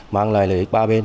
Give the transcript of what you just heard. mang lại lợi ích ba bên